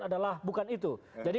adalah bukan itu jadi